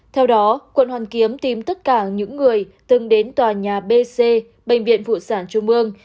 theo đó quận hoàn kiếm tìm tất cả những người từng đến tòa nhà b c bệnh viện phụ sản trung mương